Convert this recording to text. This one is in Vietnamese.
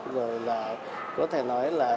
rồi là có thể nói là